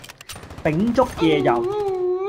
秉燭夜遊